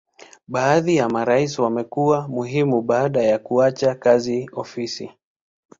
Baadhi ya marais wamekuwa muhimu baada ya kuacha kazi ofisi.